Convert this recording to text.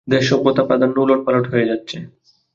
দেশ, সভ্যতা, প্রাধান্য ওলটপালট হয়ে যাচ্চে।